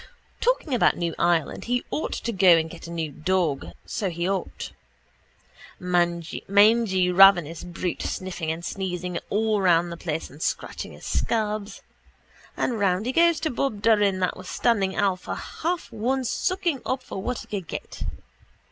Talking about new Ireland he ought to go and get a new dog so he ought. Mangy ravenous brute sniffing and sneezing all round the place and scratching his scabs. And round he goes to Bob Doran that was standing Alf a half one sucking up for what he could get.